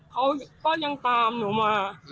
เขาก็ยังตามหนูมา